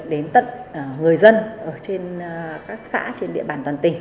đến tận người dân ở trên các xã trên địa bàn toàn tỉnh